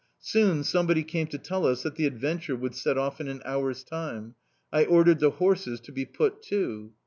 Soon somebody came to tell us that the "Adventure" would set off in an hour's time. I ordered the horses to be put to.